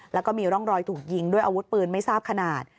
แล้วก็มีร่องรอยถูกยิงด้วยอาวุธปืนไม่ทราบขนาด